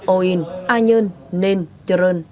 ô in a nhơn nên trơn